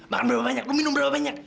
makan berapa banyak lo minum berapa banyak